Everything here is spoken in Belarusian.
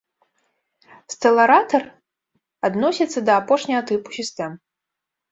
Стэларатар адносіцца да апошняга тыпу сістэм.